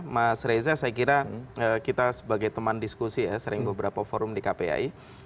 mas reza saya kira kita sebagai teman diskusi ya sering beberapa forum di kpai